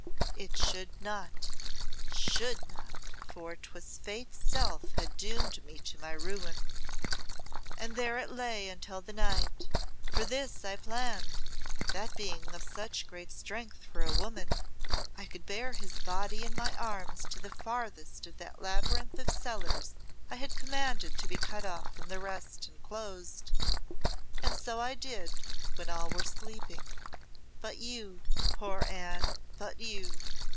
It should not should not for 'twas Fate's self had doomed me to my ruin. And there it lay until the night; for this I planned, that being of such great strength for a woman, I could bear his body in my arms to the farthest of that labyrinth of cellars I had commanded to be cut off from the rest and closed; and so I did when all were sleeping but you, poor Anne but you!